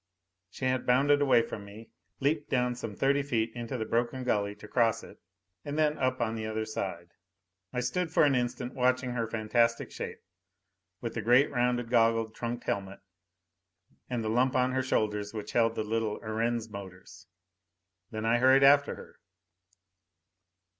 She had bounded away from me, leaped down some thirty feet into the broken gully, to cross it and then up on the other side. I stood for an instant watching her fantastic shape, with the great rounded, goggled, trunked helmet and the lump on her shoulders which held the little Erentz motors. Then I hurried after her.